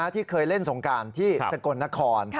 ที่เคยเล่นสงการที่สกลนคร